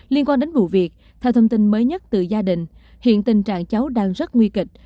liên quan đến vụ việc theo thông tin mới nhất từ gia đình hiện tình trạng cháu đang rất nguy kịch